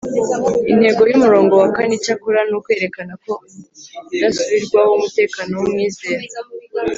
Intego y'umurongo wa kane, icyakora, ni ukwerekana kudasubirwaho umutekano w’umwizera.